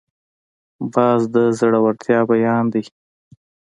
باز د زړورتیا بیان دی